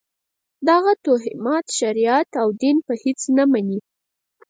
دغه توهمات شریعت او دین په هېڅ نه مني.